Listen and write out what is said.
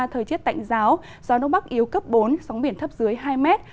thời tiết tạnh giáo gió đông bắc yếu cấp bốn sóng biển thấp dưới hai mét